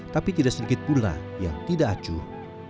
tapi tidak sedikit pula yang tidak acuh